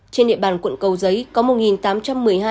trên địa bàn quận cầu giấy có một nội dung